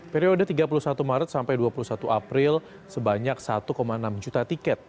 periode tiga puluh satu maret sampai dua puluh satu april sebanyak satu enam juta tiket